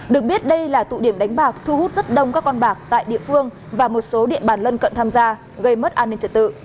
được biết đây là tụ điểm đánh bạc thu hút rất đông các con bạc tại địa phương và một số địa bàn lân cận tham gia gây mất an ninh trật tự